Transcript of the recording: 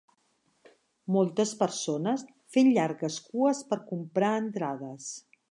Moltes persones fent llargues cues per comprar entrades.